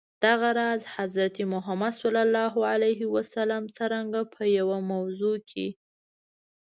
دغه راز، حضرت محمد ص څرنګه په یوه موضوع کي.